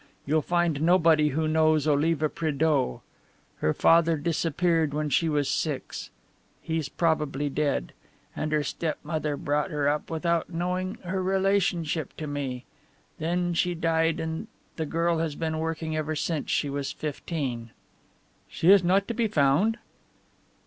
You'll find nobody who knows Oliva Prédeaux her father disappeared when she was six he's probably dead, and her stepmother brought her up without knowing her relationship to me then she died and the girl has been working ever since she was fifteen." "She is not to be found?"